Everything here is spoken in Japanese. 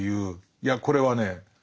いやこれはね